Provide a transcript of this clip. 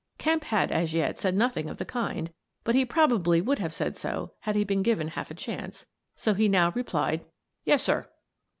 Kemp had as yet said nothing of the kind, but he probably would have said so had he been given half a chance, so he now replied : "Yes, sir."